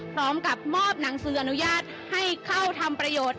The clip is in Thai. พร้อมกับมอบหนังสืออนุญาตให้เข้าทำประโยชน์